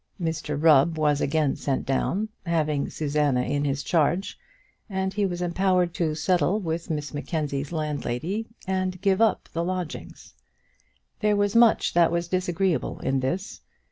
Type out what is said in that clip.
Mr Rubb was again sent down, having Susanna in his charge, and he was empowered to settle with Miss Mackenzie's landlady and give up the lodgings. There was much that was disagreeable in this.